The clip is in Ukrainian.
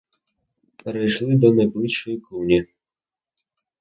Перейшли до найближчої клуні.